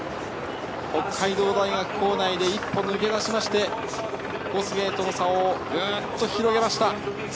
北海道大学構内で一歩抜け出しまして、コスゲイとの差をぐっと広げました。